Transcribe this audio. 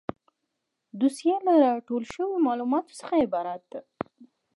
دوسیه له راټول شویو معلوماتو څخه عبارت ده.